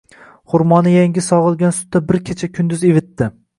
Hurmoni yangi sog'ilgan sutda bir kech kunduz ivitdi.